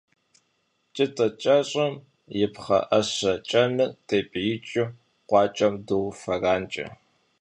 Кӏытӏэ кӏэщӏым и пхъэӏэщэ кӏэныр тепӏиикӏыу къуакӏэм доуфэранкӏэ.